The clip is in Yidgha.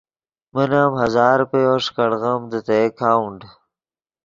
من ام ہزار روپیو ݰیکاڑیم دے تے اکاؤنٹ۔